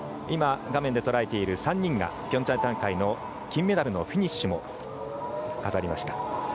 今、画面でとらえている３人がピョンチャン大会の金メダルのフィニッシュも飾りました。